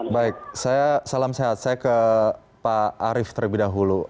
baik saya salam sehat saya ke pak arief terlebih dahulu